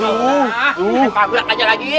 nanti aku ngeblok aja lagi ye